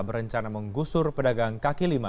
berencana menggusur pedagang kaki lima